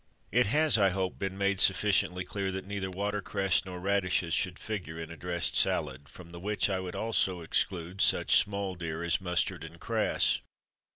It has, I hope, been made sufficiently clear that neither water cress nor radishes should figure in a dressed salad; from the which I would also exclude such "small deer" as mustard and cress.